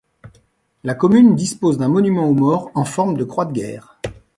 La commune dispose d'un monument aux morts en forme de Croix de guerre.